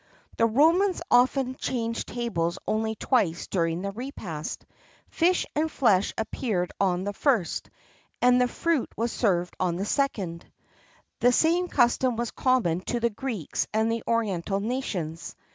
The Romans often changed tables only twice during the repast. Fish and flesh appeared on the first, and the fruit was served on the second.[XXXII 32] The same custom was common to the Greeks and the oriental nations.